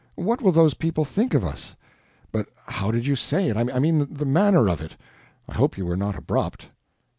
What will those people think of us? But how did you say it? I mean the manner of it. I hope you were not abrupt."